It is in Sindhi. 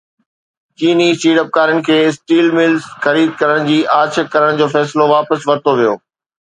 چيني سيڙپڪارن کي اسٽيل ملز خريد ڪرڻ جي آڇ ڪرڻ جو فيصلو واپس ورتو ويو